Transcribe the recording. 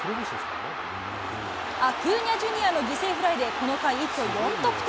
アクーニャ・ジュニアの犠牲フライで、この回、一挙４得点。